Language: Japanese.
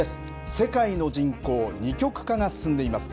世界の人口、二極化が進んでいます。